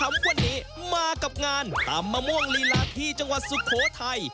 วันนี้มากับงานตำมะม่วงลีลาที่จังหวัดสุโขทัย